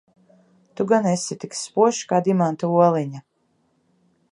Tu gan esi tik spožs kā dimanta oliņa?